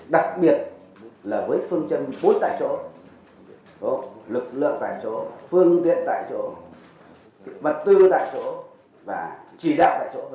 đặc biệt là với phương chân bốn tại chỗ lực lượng tại chỗ phương tiện tại chỗ vật tư tại chỗ và chỉ đạo tại chỗ